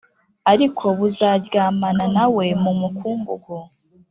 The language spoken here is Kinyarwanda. ariko buzaryamana na we mu mukungugu